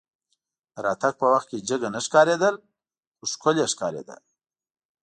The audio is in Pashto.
د راتګ په وخت کې جګه نه ښکارېده خو ښکلې ښکارېده.